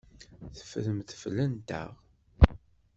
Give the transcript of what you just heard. Teffremt fell-anteɣ.